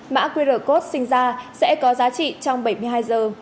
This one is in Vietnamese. mã qr code sinh ra sẽ có giá trị trong bảy mươi hai giờ